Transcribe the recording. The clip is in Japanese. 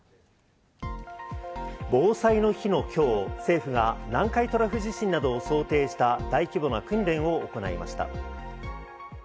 防災の日の今日、政府が南海トラフ地震などを想定した大規模な訓練を行いました。